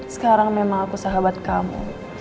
sekarang memang aku sahabat kamu